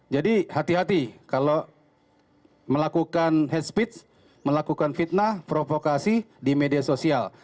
jadi hati hati kalau melakukan hate speech melakukan fitnah provokasi di media sosial